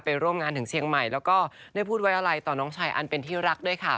ร่วมงานถึงเชียงใหม่แล้วก็ได้พูดไว้อะไรต่อน้องชายอันเป็นที่รักด้วยค่ะ